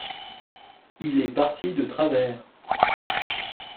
Il est parti de travers.